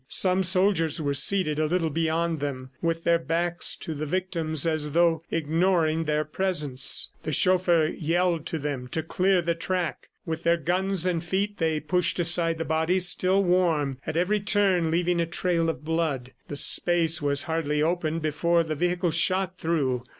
Some soldiers were seated a little beyond them, with their backs to the victims, as though ignoring their presence. The chauffeur yelled to them to clear the track; with their guns and feet they pushed aside the bodies still warm, at every turn leaving a trail of blood. The space was hardly opened before the vehicle shot through